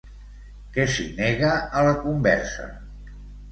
Què s'hi nega, a la conversa?